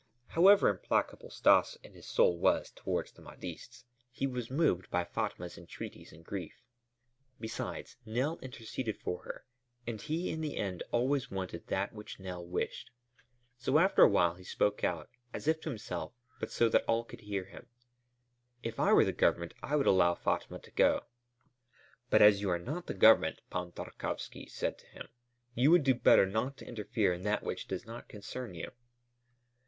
However implacable Stas in his soul was towards the Mahdists, he was moved by Fatma's entreaties and grief. Besides, Nell interceded for her and he in the end always wanted that which Nell wished. So after a while he spoke out, as if to himself but so that all could hear him: "If I were the Government, I would allow Fatma to go." "But as you are not the Government," Pan Tarkowski said to him, "you would do better not to interfere in that which does not concern you."